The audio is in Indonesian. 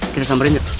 kita samperin yuk